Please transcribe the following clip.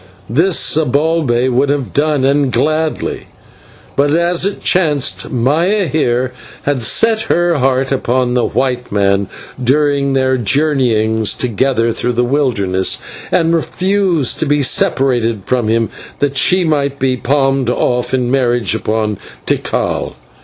This Zibalbay would have done, and gladly; but, as it chanced, Maya here had her heart set upon the white man during their journeyings together through the wilderness, and refused to be separated from him that she might be palmed off in marriage upon Tikal.